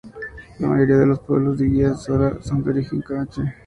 La mayoría de los pueblos de Guía de Isora son de origen Guanche.